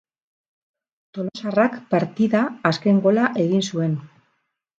Tolosarrak partida azken gola egin zuen.